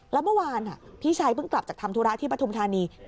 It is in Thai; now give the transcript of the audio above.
แล้วเมื่อวานพี่ชายเพิ่งกลับจากทำธุระที่ปฐุมธานี